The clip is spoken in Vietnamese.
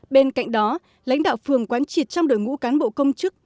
bên cạnh đó lãnh đạo phường quán triệt trong đội ngũ cán bộ công chức